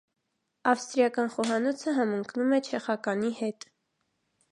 Ավստրիական խոհանոցը համընկնում է չեխականի հետ։